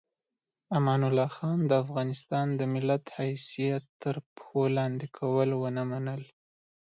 امان الله خان د افغانستان د ملت حیثیت تر پښو لاندې کول ونه منل.